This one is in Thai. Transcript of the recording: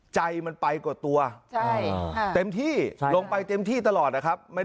ใจมันไปกว่าตัวเต็มที่ลงไปเต็มที่ตลอดนะครับ